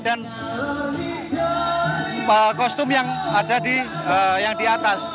dan kostum yang ada di atas